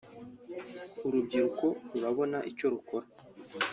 urubyiruko rurabona icyo rukora